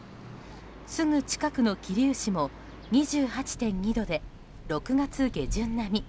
すぐ近くの桐生市も２８．２度で、６月下旬並み。